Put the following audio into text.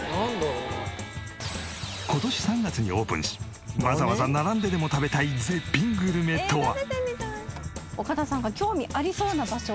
今年３月にオープンしわざわざ並んででも食べたい絶品グルメとは？